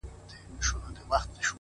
غنمرنگو کي سوالگري پيدا کيږي.